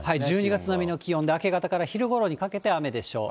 １２月並みの気温で、明け方から昼ごろにかけて雨でしょう。